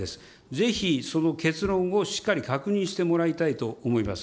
ぜひその結論をしっかり確認してもらいたいと思います。